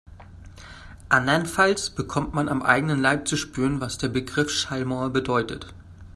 Andernfalls bekommt man am eigenen Leib zu spüren, was der Begriff Schallmauer bedeutet.